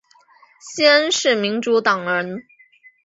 西恩是民主党人。